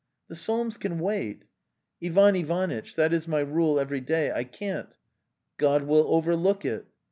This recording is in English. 'The psalms can wait." "Tyan Ivanitch, that is my rule every day... . Dreanien nce "God will overlook it."